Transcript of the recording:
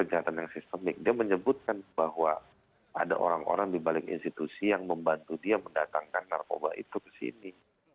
kejahatan yang sistemik dia menyebutkan bahwa ada orang orang di balik institusi yang membantu dia mendatangkan narkoba itu ke sini